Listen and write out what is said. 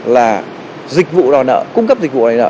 là dịch vụ đòi nợ cung cấp dịch vụ đòi nợ